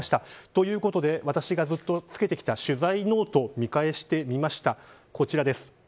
ということで私がずっとつけてきた取材ノートを見返してみました、こちらです。